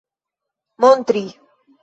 montri